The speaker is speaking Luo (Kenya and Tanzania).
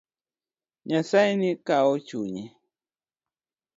Nyasaye ni kawo chunye.